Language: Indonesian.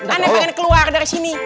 ani pengen keluar dari sini